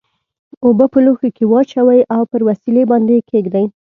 اوبه په لوښي کې واچوئ او پر وسیلې باندې یې کیږدئ.